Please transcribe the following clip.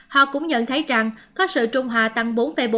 họ cũng nhận thấy rằng có sự trung hà tăng bốn bốn